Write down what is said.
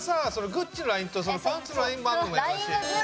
グッチのラインとパンツのラインもあるのも嫌だし。